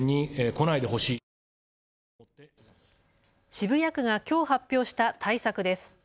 渋谷区がきょう発表した対策です。